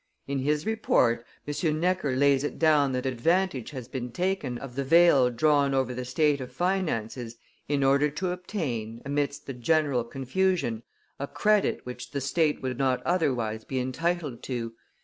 In his Report M. Necker lays it down that advantage has been taken of the veil drawn over the state of the finances in order to obtain, amidst the general confusion, a credit which the state would not otherwise be entitled to.